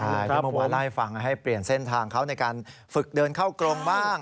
แล้วมันว่าล่าให้ฟังให้เปลี่ยนเส้นทางเขาในการฝึกเดินเข้ากลมบ้าง